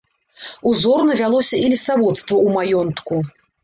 Узорна вялося і лесаводства ў маёнтку.